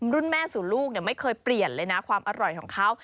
รุ่นแม่สู่ลูกไม่เคยเปลี่ยนเลยนะความอร่อยของเขา